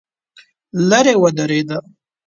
لرې ودرېده.